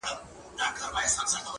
• بندوي چي قام په دام کي د ښکاریانو ,